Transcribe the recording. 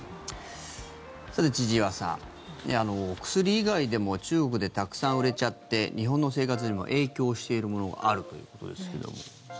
さて、千々岩さん薬以外でも中国でたくさん売れちゃって日本の生活にも影響しているものがあるということですけれども。